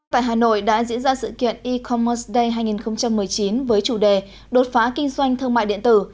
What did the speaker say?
tại hà nội đã diễn ra sự kiện e commerce day hai nghìn một mươi chín với chủ đề đột phá kinh doanh thương mại điện tử